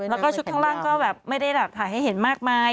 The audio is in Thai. แล้วก็ชุดข้างล่างก็แบบไม่ได้แบบถ่ายให้เห็นมากมาย